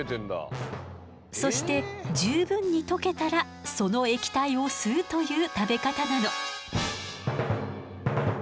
そして十分に溶けたらその液体を吸うという食べ方なの。